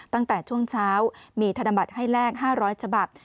ตั้งแต่ช่วงเช้ามีธนบัตรให้แลก๕๐๐ฉบับ